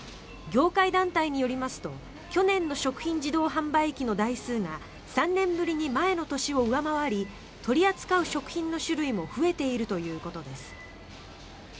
業界団体によりますと去年の食品自動販売機の台数が３年ぶりに前の年を上回り取り扱う食品の種類も増えているということです。